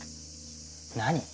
何？